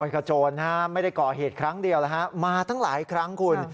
บริกาโจรไม่ได้ก่อเหตุครั้งเดียวมาทั้งหลายครั้งคุณ